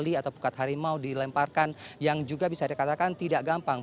karena tali atau pukat harimau dilemparkan yang juga bisa dikatakan tidak gampang